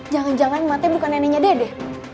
jangan jangan kematian bukan neneknya dede